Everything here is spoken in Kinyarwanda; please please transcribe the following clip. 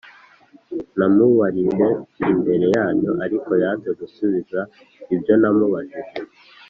namubarije imbere yanyu ariko yanze gusubiza ibyo namubajije